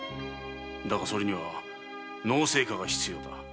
だがそれには農政家が必要だ。